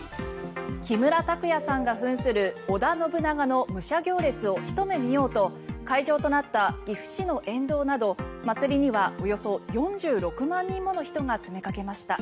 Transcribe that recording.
木村拓哉さんが扮する織田信長の武者行列をひと目見ようと会場となった岐阜市の沿道など祭りにはおよそ４６万人もの人が詰めかけました。